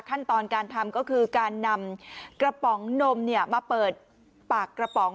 ขั้นตอนการทำก็คือการนำกระป๋องนมมาเปิดปากกระป๋อง